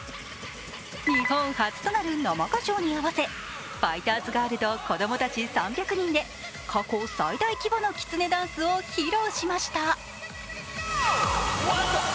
日本初となる生歌唱に合わせファイターズガールと子供たち３００人で過去最大級のきつねダンスを披露しました。